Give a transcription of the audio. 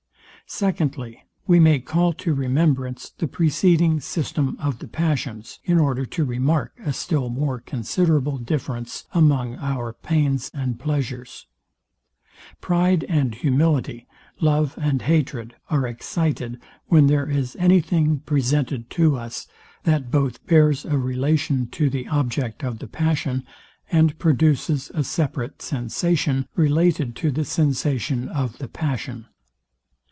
SECONDLY, We may call to remembrance the preceding system of the passions, in order to remark a still more considerable difference among our pains and pleasures. Pride and humility, love and hatred are excited, when there is any thing presented to us, that both bears a relation to the object of the passion, and produces a separate sensation related to the sensation of the passion.